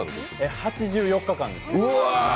８４日間です。